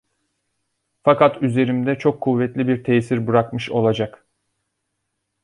Fakat üzerimde çok kuvvetli bir tesir bırakmış olacak.